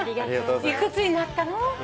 幾つになったの？